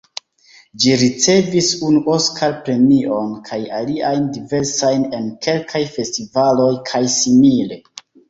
Ĝi ricevis unu Oskar-premion kaj aliajn diversajn en kelkaj festivaloj kaj simile.